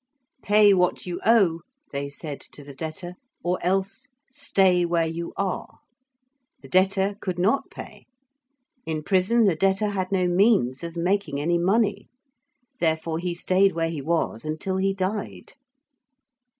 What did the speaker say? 'Pay what you owe,' they said to the debtor, 'or else stay where you are.' The debtor could not pay: in prison the debtor had no means of making any money: therefore he stayed where he was until he died.